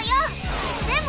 でも！